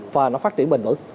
và nó phát triển bình thường